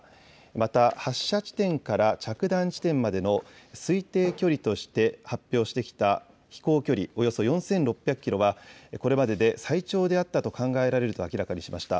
また、発射地点から着弾地点までの推定距離として発表してきた飛行距離およそ４６００キロは、これまでで最長であったと考えられると明らかにしました。